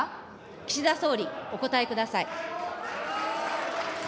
岸田総理、お答えください。